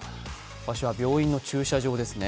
場所は病院の駐車場ですね。